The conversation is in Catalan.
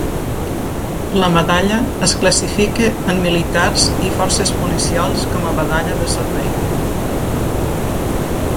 La medalla es classifica en militars i forces policials com a medalla de servei.